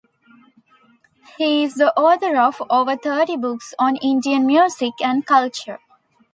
He is the author of over thirty books on Indian music and culture.